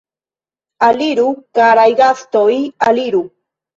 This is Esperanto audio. Aliru, karaj gastoj, aliru!